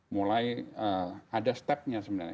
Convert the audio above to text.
mulai ada stepnya sebenarnya